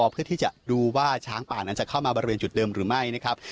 เพื่อที่จะดูว่าช้างป่านั้นจะเข้ามาบริเวณจุดเดิมหรือไม่นะครับ